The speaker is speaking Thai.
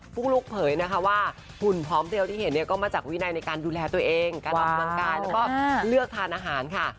ุ๊กลุกเผยนะคะว่าหุ่นพร้อมเดียวที่เห็นเนี่ยก็มาจากวินัยในการดูแลตัวเองการออกกำลังกายแล้วก็เลือกทานอาหารค่ะ